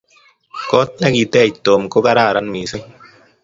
Kot nekitech Tom ko kararan missing